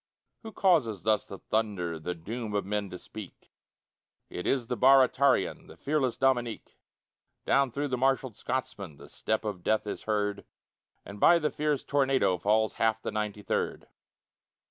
Who causes thus the thunder The doom of men to speak? It is the Baratarian, The fearless Dominique. Down through the marshalled Scotsmen The step of death is heard, And by the fierce tornado Falls half the Ninety third.